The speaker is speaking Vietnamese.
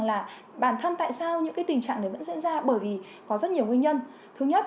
là bản thân tại sao những cái tình trạng này vẫn diễn ra bởi vì có rất nhiều nguyên nhân thứ nhất